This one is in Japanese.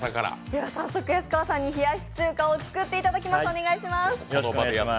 早速安川さんに冷やし中華を作っていただきます。